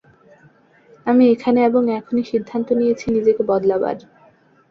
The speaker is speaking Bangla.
আমি এখানে এবং এখনি সিদ্ধান্ত নিয়েছি নিজেকে বদলাবার।